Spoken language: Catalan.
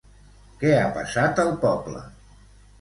Què ha passat al poble?